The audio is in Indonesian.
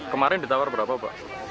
kemarin ditawar berapa pak